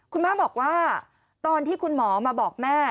คุณแม่บอกว่าตอนที่คุณหมอมาบอกแม่